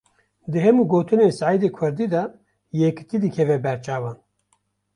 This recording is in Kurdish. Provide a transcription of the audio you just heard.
Di hemû gotinên Seîdê Kurdî de, yekitî dikeve ber çavan